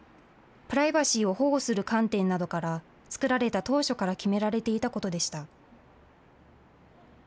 プライバシーを保護する観点などから、作られた当初から決められていたことでした。